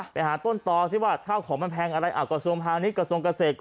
ไปหาต้นต่อสิว่าข้าวของมันแพงอะไรกระทรวงพาณิชยกระทรวงเกษตร